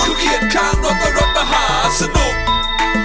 คือเขียนข้างรถกับรถมหาสนุก